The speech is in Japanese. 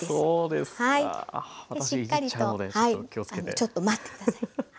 ちょっと待って下さい。